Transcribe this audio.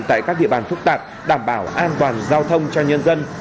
tại các địa bàn phức tạp đảm bảo an toàn giao thông cho nhân dân